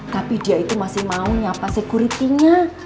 tapi dia itu masih mau nyapa sekuritinya